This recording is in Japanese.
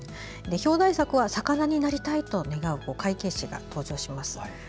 表題作は、魚になりたいと願う会計士が登場します。